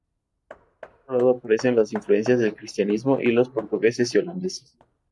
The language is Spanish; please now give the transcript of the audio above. Por otro lado, aparecen las influencias del cristianismo con los portugueses y holandeses.